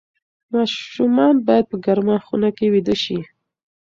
ماشومان باید په ګرمه خونه کې ویده شي.